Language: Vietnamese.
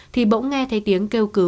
thì bỗng nghe thấy tiếng kêu cứu